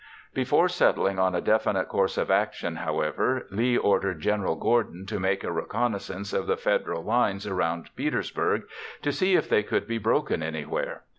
Before settling on a definite course of action, however, Lee ordered General Gordon to make a reconnaissance of the Federal lines around Petersburg to see if they could be broken anywhere.